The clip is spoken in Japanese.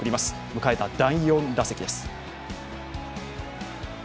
迎えた第４打席です。